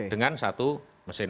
dengan satu mesin politik